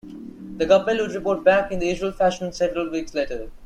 The couple would report back in the usual fashion several weeks later.